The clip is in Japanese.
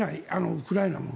ウクライナも。